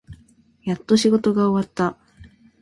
やっと仕事が終わった。